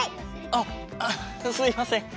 あっすいません。